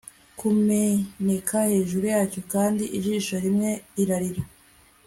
kumeneka hejuru yacyo, kandi ijisho rimwe rirarira